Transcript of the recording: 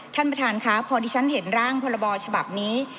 ท่านประธานค่ะพอดิฉันเห็นร่างพรบฉบับนี้